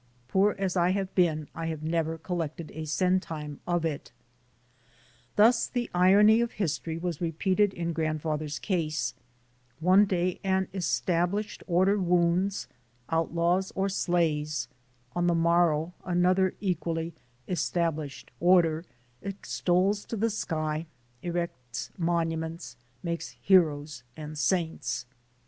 Poor as I have been, I have never collected a centime of it. Thus the A NATIVE OF ANCIENT APULIA 11 irony of history was repeated in grandfather's case : one day an "established" order wounds, outlaws or slays, on the morrow another equally "established" order extols to the sky, erects monuments, makes heroes and saints.